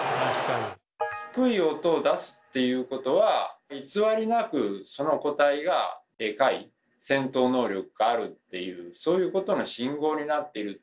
低い音を出すっていうことは偽りなくその個体がでかい戦闘能力があるっていうそういうことの信号になっている。